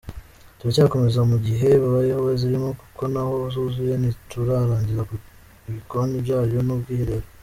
Turacyakomeza mu gihe babaye bazirimo kuko n’aho zuzuye ntiturarangiza ibikoni byayo n’ubwiherero.